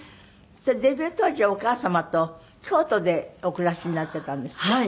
デビュー当時はお母様と京都でお暮らしになってたんですって？